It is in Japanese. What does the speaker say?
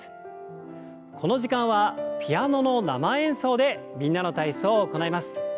この時間はピアノの生演奏で「みんなの体操」を行います。